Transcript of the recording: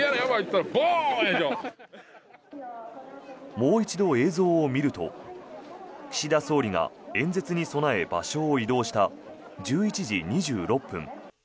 もう一度、映像を見ると岸田総理が演説に備え場所を移動した１１時２６分。